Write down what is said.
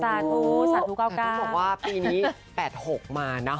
สาธุบอกว่าปีนี้๘๖มาเนาะ